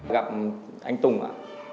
gặp anh tùng ạ